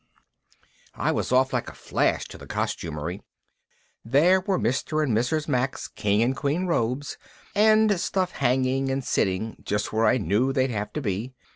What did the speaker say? I was off like a flash to the costumery. There were Mr. and Mrs. Mack's king and queen robes and stuff hanging and sitting just where I knew they'd have to be.